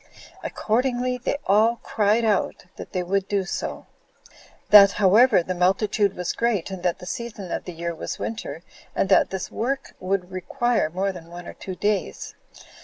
Accordingly, they all cried out that they would do so. That, however, the multitude was great, and that the season of the year was winter, and that this work would require more than one or two days.